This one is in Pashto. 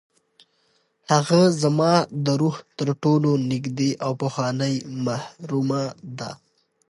هغه زما د روح تر ټولو نږدې او پخوانۍ محرمه ده.